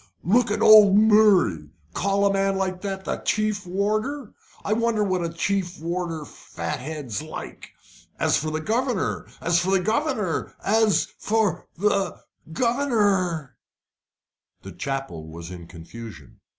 Look at old Murray call a man like that chief warder. I wonder what a chief fat head's like? As for the governor as for the governor as for the governor " The chapel was in confusion.